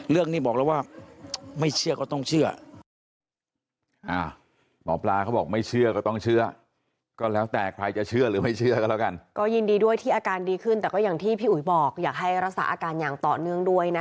เรื่องนี้บอกแล้วว่าไม่เชื่อก็ต้องเชื่อ